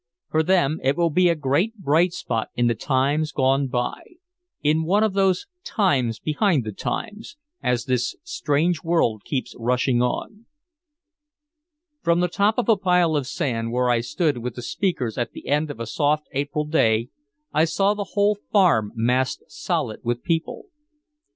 For them it will be a great bright spot in the times gone by in one of those times behind the times, as this strange world keeps rushing on. From the top of a pile of sand, where I stood with the speakers at the end of a soft April day, I saw the whole Farm massed solid with people.